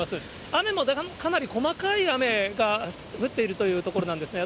雨もかなり細かい雨が降っているというところなんですね。